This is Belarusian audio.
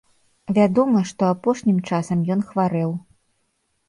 Вядома, што апошнім часам ён хварэў.